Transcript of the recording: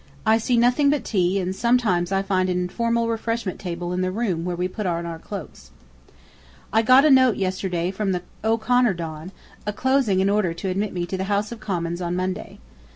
I see nothing but tea, and sometimes find an informal refreshment table in the room where we put on our cloaks. I got a note yesterday from the O'Connor Don, enclosing an order to admit me to the House of Commons on Monday.